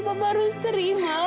papa harus terima